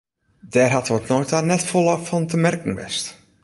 Dêr hat oant no ta net folle fan te merken west.